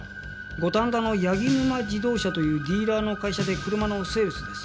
五反田の八木沼自動車というディーラーの会社で車のセールスです。